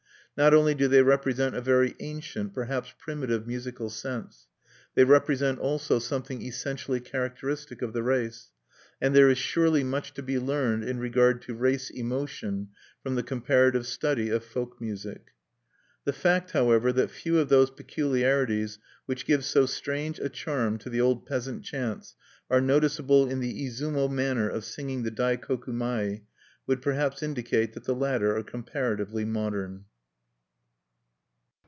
Not only do they represent a very ancient, perhaps primitive musical sense: they represent also something essentially characteristic of the race; and there is surely much to be learned in regard to race emotion from the comparative study of folk music. The fact, however, that few of those peculiarities which give so strange a charm to the old peasant chants are noticeable in the Izumo manner of singing the Daikoku mai would perhaps indicate that the latter are comparatively modern.